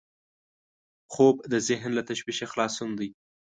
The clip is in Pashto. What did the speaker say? خوب د ذهن له تشویشه خلاصون دی